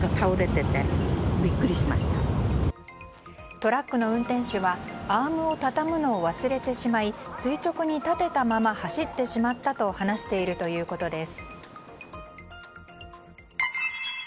トラックの運転手はアームを畳むのを忘れてしまい垂直に立てたまま走ってしまったと話しているということです。